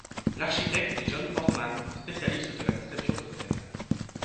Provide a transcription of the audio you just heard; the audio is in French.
L'architecte est John Portman, spécialiste de la conception d'hôtels.